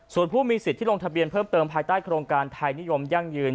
ส่วนผู้มีสิทธิ์ที่ลงทะเบียนเพิ่มเติมภายใต้โครงการไทยนิยมยั่งยืน